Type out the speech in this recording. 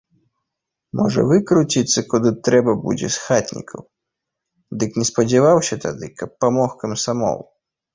Можа выкруціцца куды трэба будзе з хатнікаў, дык не спадзяваўся тады, каб памог камсамол.